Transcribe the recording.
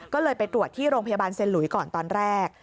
ก็เลยไปตรวจที่โรงพยาบาลเซ็นหลุยก่อนตอนแรก